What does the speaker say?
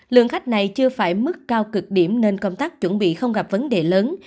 lượng khách này chưa phải mức cao cực điểm nên công tác chuẩn bị không gặp vấn đề lớn